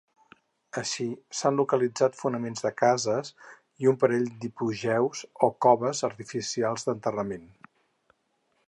Així, s'han localitzat fonaments de cases i un parell d'hipogeus o coves artificials d'enterrament.